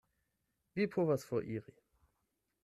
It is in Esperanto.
Vi povas foriri.